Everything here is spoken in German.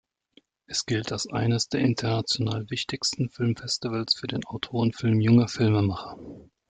Es gilt als eines der international wichtigsten Filmfestivals für den Autorenfilm junger Filmemacher.